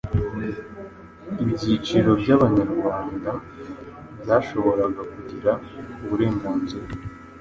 Ibyiciro by'Abanyarwanda byashoboraga kugira uburenganzira